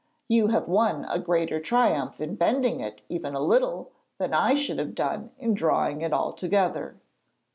You have won a greater triumph in bending it even a little than I should have done in drawing it altogether.'